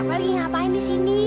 bapak lagi ngapain disini